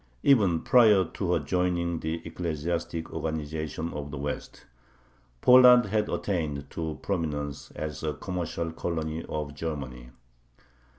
Even prior to her joining the ecclesiastic organization of the West, Poland had attained to prominence as a commercial colony of Germany.